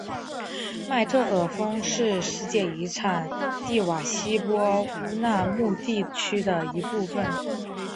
麦特尔峰是世界遗产蒂瓦希波乌纳穆地区的一部分。